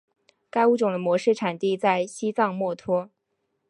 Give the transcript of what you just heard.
该物种的模式产地在西藏墨脱。